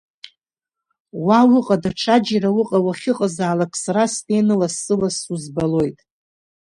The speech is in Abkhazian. Уа уҟа, даҽаџьара уҟа, уахьыҟазаалак, сара снеины, лассы лассы узбалоит.